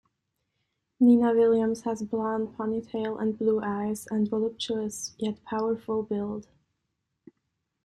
Nina Williams has blonde ponytail and blue eyes, and voluptuous yet powerful build.